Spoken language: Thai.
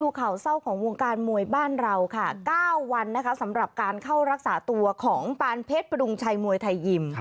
ข่าวเศร้าของวงการมวยบ้านเราค่ะ๙วันนะคะสำหรับการเข้ารักษาตัวของปานเพชรประดุงชัยมวยไทยยิม